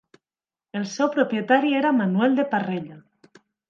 El seu propietari era Manuel de Parrella.